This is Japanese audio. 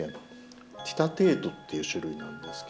「テイタテイト」っていう種類なんですけれども。